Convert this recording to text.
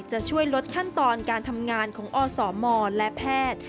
จะช่วยลดขั้นตอนการทำงานของอสมและแพทย์